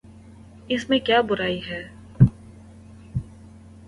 اس میں کیا برائی ہے؟